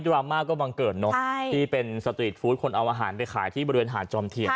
ราม่าก็บังเกิดเนอะที่เป็นสตรีทฟู้ดคนเอาอาหารไปขายที่บริเวณหาดจอมเทียน